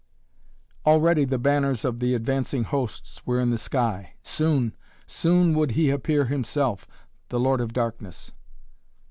Already the banners of the advancing hosts were in the sky. Soon soon would he appear himself the Lord of Darkness!